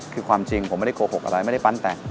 คือความจริงผมไม่ได้โกหกอะไรไม่ได้ฟันแต่ง